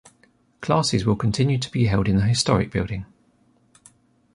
Classes will continue to be held in the historic building.